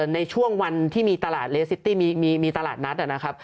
ในช่วงวันที่มีตลาดเลสซิตี้มีตลาดนัดนะครับ